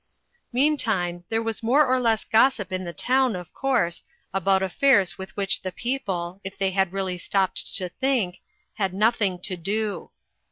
Meantime, there was more or less gossip in the town, of course, about affairs with which the people, if they had really stopped to think, had nothing to do.